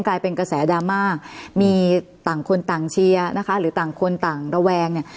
กลายเป็นกระแสดราม่ามีต่างคนต่างเชียร์นะคะหรือต่างคนต่างระแวงเนี่ย